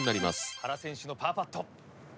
原選手のパーパット。